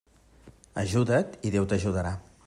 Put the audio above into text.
Ajuda't i Déu t'ajudarà.